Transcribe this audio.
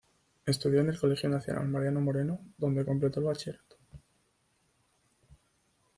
Estudió en el Colegio Nacional Mariano Moreno, donde completó el bachillerato.